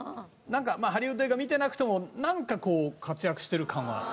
なんかハリウッド映画見てなくてもなんかこう活躍してる感はある。